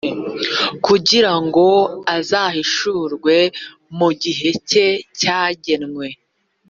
kugira ngo azahishurwe mu gihe cye cyagenwe